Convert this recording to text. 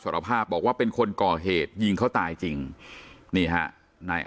รภาพบอกว่าเป็นคนก่อเหตุยิงเขาตายจริงนี่ฮะนาย